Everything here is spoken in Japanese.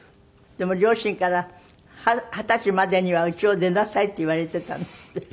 でも両親から「二十歳までにはうちを出なさい」って言われてたんですって？